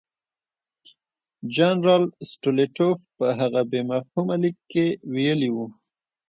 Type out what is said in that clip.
جنرال سټولیټوف په هغه بې مفهومه لیک کې ویلي وو.